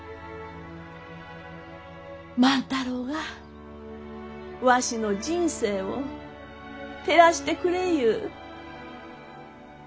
万太郎はわしの人生を照らしてくれゆう。